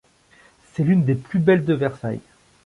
C'est l'une des plus belles de Versailles.